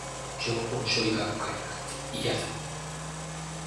情報処理学会なんて、嫌だー